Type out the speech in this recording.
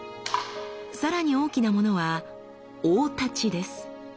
さらに大きなものは「大太刀」です。